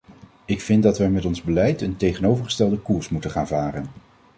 Ik vind dat wij met ons beleid een tegenovergestelde koers moeten gaan varen.